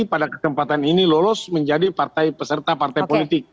pada kesempatan ini lolos menjadi partai peserta partai politik